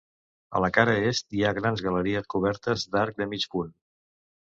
A la cara est, hi ha grans galeries cobertes d'arc de mig punt.